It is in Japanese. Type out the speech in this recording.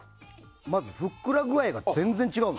まずふっくら具合が全然違う。